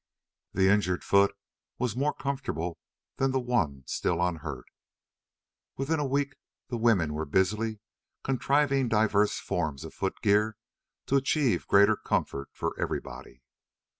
The injured foot was more comfortable than the one still unhurt. Within a week the women were busily contriving diverse forms of footgear to achieve greater comfort for everybody.